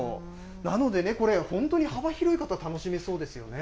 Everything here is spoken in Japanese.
なので、これ本当に幅広い方、楽しめそうですよね。